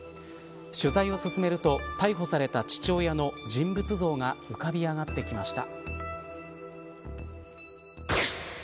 取材を進めると逮捕された父親の人物像が浮かび上がってきました。